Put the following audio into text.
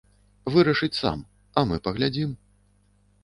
Вырашыць сам, а мы паглядзім.